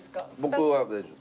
僕は大丈夫。